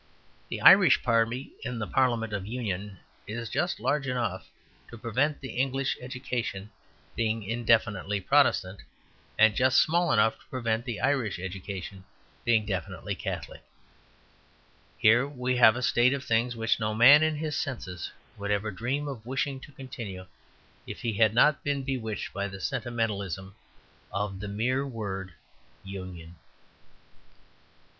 The Irish party in the Parliament of Union is just large enough to prevent the English education being indefinitely Protestant, and just small enough to prevent the Irish education being definitely Catholic. Here we have a state of things which no man in his senses would ever dream of wishing to continue if he had not been bewitched by the sentimentalism of the mere word "union."